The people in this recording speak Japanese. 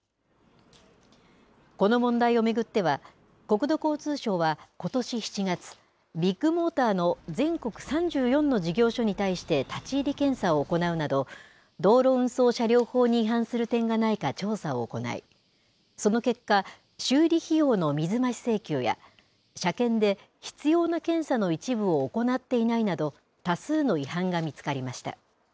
この問題を巡っては、国土交通省はことし７月、ビッグモーターの全国３４の事業所に対して立ち入り検査を行うなど、道路運送車両法に違反する点がないか調査を行い、その結果、修理費用の水増し請求や、車検で必要な検査の一部を行っていないなど、多数の違反が見つかりました。